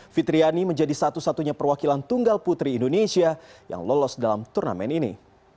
fitriani menjadi satu satunya perwakilan tunggal putri indonesia yang lolos dalam turnamen ini